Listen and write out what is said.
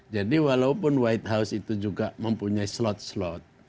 jadi walaupun white house itu juga mempunyai slot slot